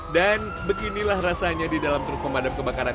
dan beginilah rasanya di dalam truk pemadam kebakaran